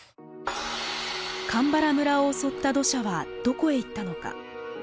鎌原村を襲った土砂はどこへ行ったのか？